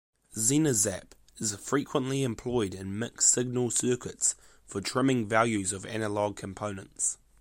Zener zap is frequently employed in mixed-signal circuits for trimming values of analog components.